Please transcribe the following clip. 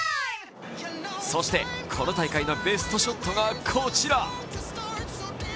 そしてこの大会のベストショットがこちら。